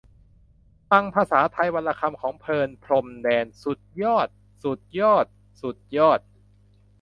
ฟัง 'ภาษาไทยวันละคำ' ของ เพลิน พรหมแดน สุดยอด ! สุดยอด ! สุดยอด !